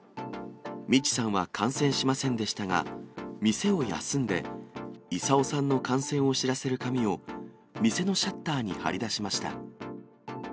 三千さんは感染しませんでしたが、店を休んで、功さんの感染を知らせる紙を店のシャッターに貼り出しました。